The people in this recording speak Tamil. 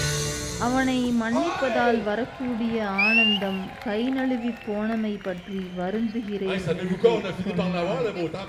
அவனை மன்னிப்பதால் வரக்கூடிய ஆனந்தம் கைநழுவிப் போனமைபற்றி வருந்துகிறேன்! என்று சொன்னான்.